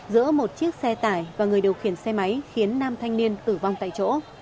giữa một chiếc xe tải và người điều khiển xe máy khiến nam thanh niên tử vong tại chỗ